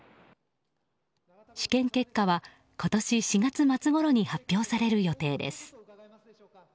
試験結果は今年４月末ごろに発表される予定です。